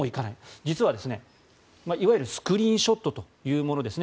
実は、いわゆるスクリーンショットというものですね。